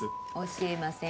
教えません。